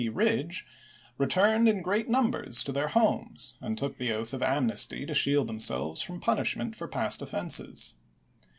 Pea Ridge, returned in great numbers to their homes and took the oath of amnesty to shield themselves from punishment for past offenses.